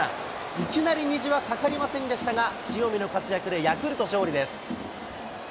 いきなり虹はかかりませんでしたが、塩見の活躍でヤクルト勝利です。